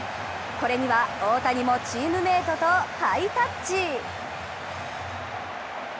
これには大谷もチームメイトとハイタッチ。